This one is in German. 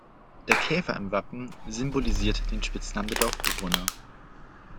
Der Käfer im Wappen symbolisiert den Spitznamen der Dorfbewohner.